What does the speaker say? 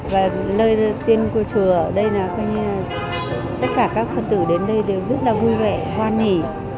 và lời tuyên của chùa ở đây là tất cả các phân tử đến đây đều rất là vui vẻ hoan nghỉ